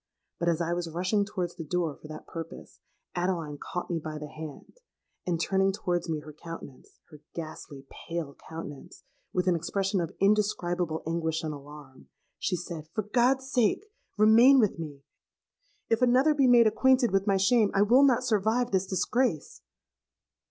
But as I was rushing towards the door for that purpose, Adeline caught me by the hand; and, turning towards me her countenance—her ghastly pale countenance, with an expression of indescribable anguish and alarm, she said, 'For God's sake, remain with me! If another be made acquainted with my shame, I will not survive this disgrace.'